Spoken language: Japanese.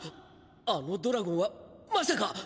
あのドラゴンはまさか！